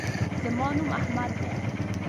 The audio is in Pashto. زما نوم احمد دے